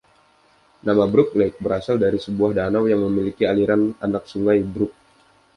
Nama Brook Lake berasal dari sebuah danau yang memiliki aliran anak sungai (brook).